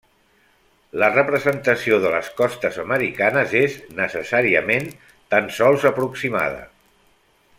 La representació de les costes americanes és, necessàriament, tan sols aproximada.